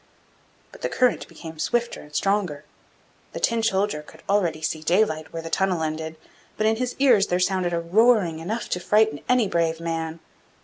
But the current became swifter and stronger. The Tin soldier could already see daylight where the tunnel ended; but in his ears there sounded a roaring enough to frighten any brave man.